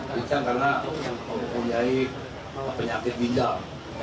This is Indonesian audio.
pincang karena mempunyai penyakit bindal